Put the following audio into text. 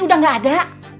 udah gak ada